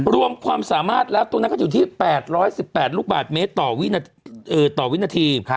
รวมความสามารถแล้วตรงนั้นก็อยู่ที่๘๑๘ลูกบาทเมตรต่อวินาที